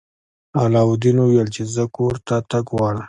علاوالدین وویل چې زه کور ته تګ غواړم.